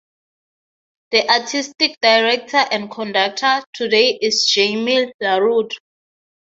The Artistic Director and conductor today is Jaime Laredo.